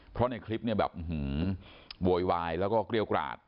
เพราะในคลิปบวยวายแล้วก็เกรียวกราศ